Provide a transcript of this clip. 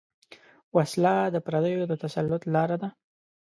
وسله د پردیو د تسلط لاره ده